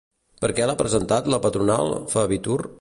Per què l'ha presentat la patronal Fevitur?